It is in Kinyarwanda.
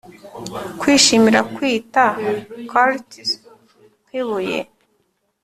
kwishimira kwitwa quartz, nkibuye